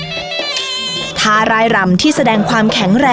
คุณผู้ชมอยู่กับดิฉันใบตองราชนุกูลที่จังหวัดสงคลาค่ะ